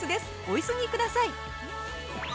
お急ぎください！